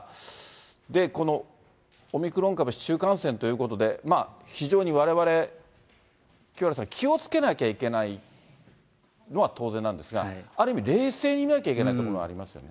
で、このオミクロン株市中感染ということで、非常にわれわれ、清原さん、気をつけなきゃいけないのは当然なんですが、ある意味冷静に見なきゃいけないところもありますよね。